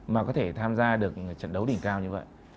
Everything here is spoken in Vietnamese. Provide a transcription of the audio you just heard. mà có thể tham gia được trận đấu đỉnh cao như vậy